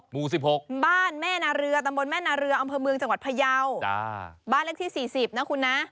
๔๐หมู๑๖บ้านแม่นเรือตำบลแม่นเรืออำเภอเมืองจังหวัดพะเยาว์บ้านเลขที่๔๐นะคุณนะ